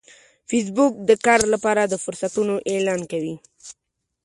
فېسبوک د کار لپاره د فرصتونو اعلان کوي